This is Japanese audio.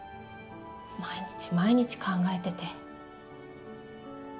毎日毎日考えてて。